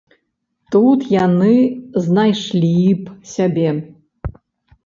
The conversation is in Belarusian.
Тут яны знайшлі б сябе?